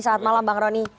selamat malam bang rony